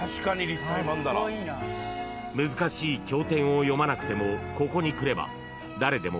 ［難しい経典を読まなくてもここに来れば誰でも］